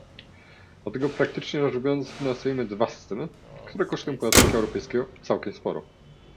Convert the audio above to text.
Dlatego praktycznie rzecz biorąc finansujemy dwa systemy, które kosztują podatnika europejskiego całkiem sporo